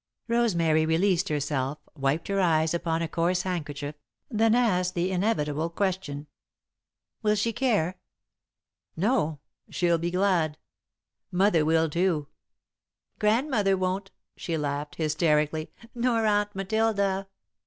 Rosemary released herself, wiped her eyes upon a coarse handkerchief, then asked the inevitable question: "Will she care?" "No, she'll be glad. Mother will too." [Sidenote: A Promise] "Grandmother won't," she laughed, hysterically, "nor Aunt Matilda."